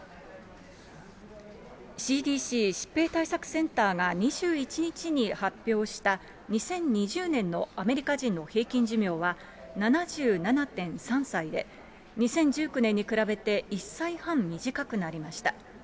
ＣＤＣ・疾病対策センターが２１日に発表した、２０２０年のアメリカ人の平均寿命は７７．３歳で、２０１９年に比べて１歳半短くなりました。